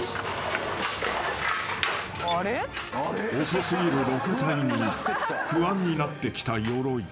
［遅過ぎるロケ隊に不安になってきたヨロイ］